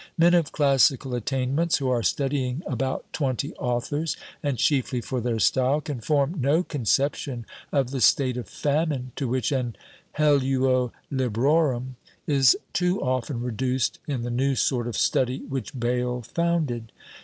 Men of classical attainments, who are studying about twenty authors, and chiefly for their style, can form no conception of the state of famine to which an "helluo librorum" is too often reduced in the new sort of study which Bayle founded.